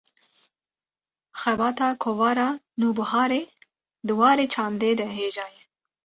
Xebata Kovara Nûbiharê, di warê çandê de hêja ye